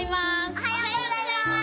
おはようございます！